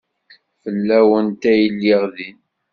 Fell-awent ay lliɣ din.